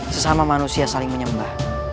sesama manusia saling menyembah